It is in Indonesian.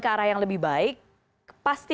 ke arah yang lebih baik pasti